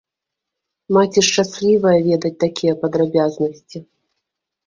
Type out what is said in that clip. Маці шчаслівая ведаць такія падрабязнасці.